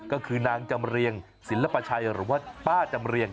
ก็คือนางจำเรียงศิลปชัยหรือว่าป้าจำเรียง